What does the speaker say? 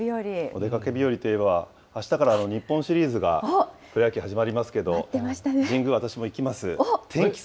お出かけ日和といえば、あしたから日本シリーズがプロ野球始まりますけど、神宮、私も行きます。